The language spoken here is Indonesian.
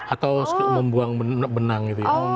atau membuang benang gitu ya